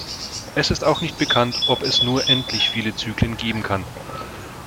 Es ist auch nicht bekannt, ob es nur endlich viele Zyklen geben kann.